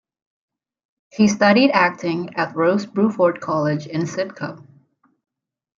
She studied acting at Rose Bruford College in Sidcup.